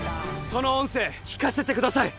その音声聞かせてください